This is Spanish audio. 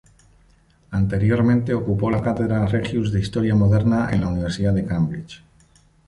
Anteriormente ocupó la cátedra Regius de historia moderna en la Universidad de Cambridge.